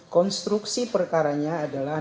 konstruksi perkaranya adalah